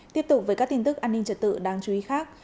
tiếp tục với các tin tức an ninh trật tự đáng chú ý khác